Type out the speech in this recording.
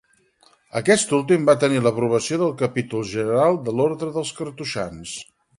Aquest últim va tenir l'aprovació del capítol general de l'orde dels cartoixans.